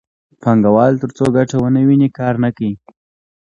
پانګوال ترڅو ګټه ونه ویني کار نه کوي